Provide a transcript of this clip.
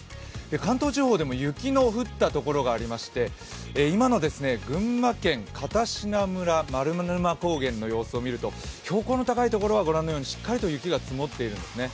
関東地方でも雪の降ったところがありまして、今の群馬県片品村、丸沼高原の様子を見ると標高の高いところはご覧のようにしっかりと雪が積もっているんですね。